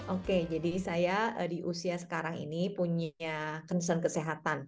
oke jadi saya di usia sekarang ini punya concern kesehatan